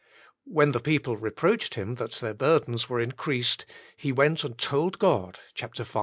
When the people reproached him that their burdens were increased, he went and told God, v.